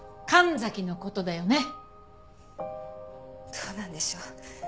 どうなんでしょう。